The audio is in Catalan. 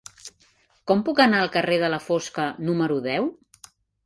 Com puc anar al carrer de la Fosca número deu?